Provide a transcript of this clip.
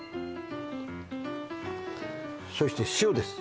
そして塩です